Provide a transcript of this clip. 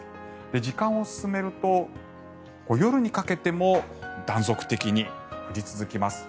時間を進めると夜にかけても断続的に降り続けます。